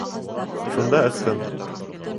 Шунда ысҡын.